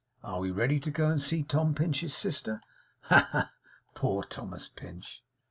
Are we ready to go and see Tom Pinch's sister? Ha, ha, ha! Poor Thomas Pinch!